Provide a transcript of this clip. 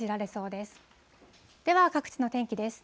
では各地の天気です。